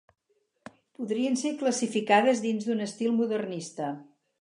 Podrien ser classificades dins d'un estil modernista.